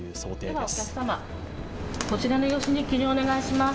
ではお客様、こちらの用紙に記入をお願いします。